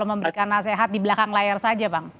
memberikan nasihat di belakang layar saja bang